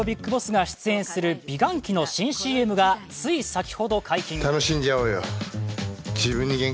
ＢＩＧＢＯＳＳが出演する美顔器の新ＣＭがつい先ほど解禁。